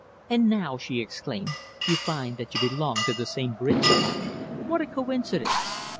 "And now," she exclaimed, "you find that you belong to the same bridge club. What a coincidence!"